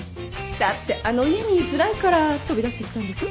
だってあの家に居づらいから飛び出してきたんでしょ？